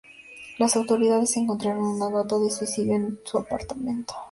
Las autoridades encontraron una nota de suicidio en su apartamento.